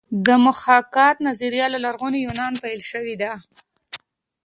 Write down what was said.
د محاکات نظریه له لرغوني یونانه پیل شوې ده